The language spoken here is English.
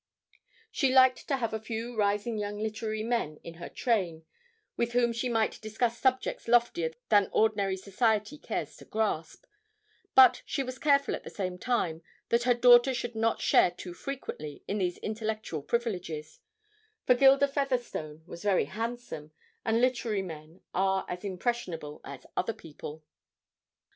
She liked to have a few rising young literary men in her train, with whom she might discuss subjects loftier than ordinary society cares to grasp; but she was careful at the same time that her daughter should not share too frequently in these intellectual privileges, for Gilda Featherstone was very handsome, and literary men are as impressionable as other people.